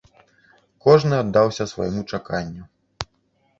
Кожны аддаўся свайму чаканню.